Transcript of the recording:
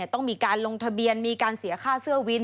ต้องมีการลงทะเบียนมีการเสียค่าเสื้อวิน